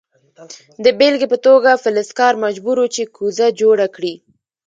د بیلګې په توګه فلزکار مجبور و چې کوزه جوړه کړي.